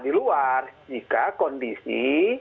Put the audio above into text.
di luar jika kondisi